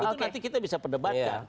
itu nanti kita bisa perdebatkan